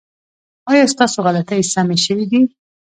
ایا ستاسو غلطۍ سمې شوې دي؟